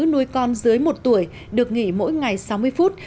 nuôi con dưới một tuổi được nghỉ mỗi ngày sáu mươi phút